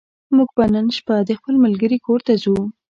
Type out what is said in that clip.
موږ به نن شپه د خپل ملګرې کور ته ځو